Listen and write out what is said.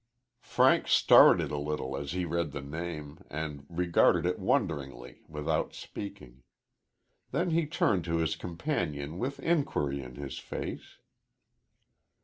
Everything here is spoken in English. Frank started a little as he read the name, and regarded it wonderingly without speaking. Then he turned to his companion with inquiry in his face.